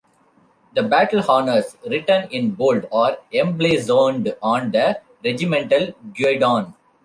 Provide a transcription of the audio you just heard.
The battle honours written in bold are emblazoned on the regimental guidon.